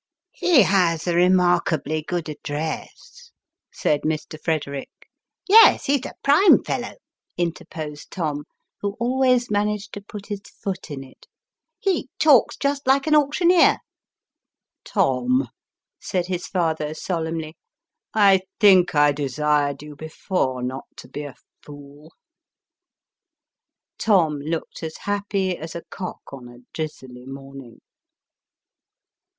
" He has a remarkably good address," said Mr. Frederick. " Yes, he is a prime fellow," interposed Tom, who always managed to put his foot in it " he talks just like an auctioneer." " Tom !" said his father solemnly, " I think I desired you, before, not to be a fool." Tom looked as happy as a cock on a drizzly morning.